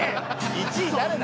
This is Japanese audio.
１位誰だ？